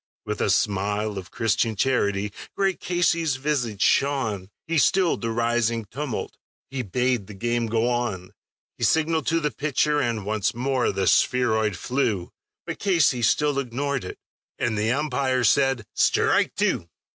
With a smile of Christian charity great Casey's visage shone; He stilled the rising tumult; he bade the game go on; He signaled to the pitcher, and once more the spheroid flew, But Casey still ignored it; and the umpire said, "Strike two."